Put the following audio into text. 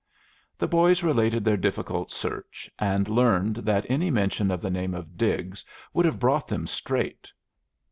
The boys related their difficult search, and learned that any mention of the name of Diggs would have brought them straight.